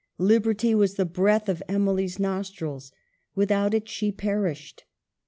Liberty was the breath of Emily's nostrils ; without it she perished.